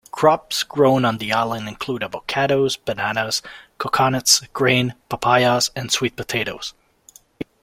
Crops grown on the island include avocados, bananas, coconuts, grains, papayas and sweet potatoes.